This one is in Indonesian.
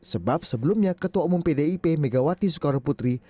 sebab sebelumnya ketua umum pdip megawati sekonoputri